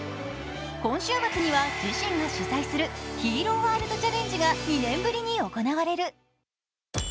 今週末には自身が主催するヒーローワールドチャレンジが２年ぶりに行われる。